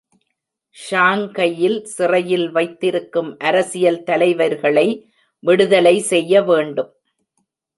ஷாங்கையில் சிறையில் வைத்திருக்கும் அரசியல் தலைவர்களை விடுதலை செய்யவேண்டும்.